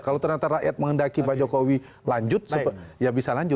kalau ternyata rakyat menghendaki pak jokowi lanjut ya bisa lanjut